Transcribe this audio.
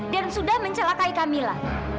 dan sudah mencelakai camilla